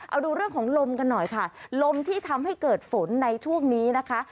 เอาดูเรื่องของลมกันหน่อยค่ะลมที่ทำให้เกิดฝนในช่วงนี้นะคะ